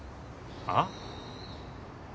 あっ？